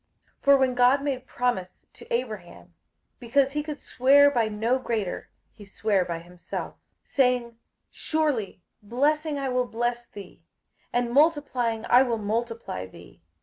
58:006:013 For when God made promise to Abraham, because he could swear by no greater, he sware by himself, 58:006:014 Saying, Surely blessing I will bless thee, and multiplying I will multiply thee.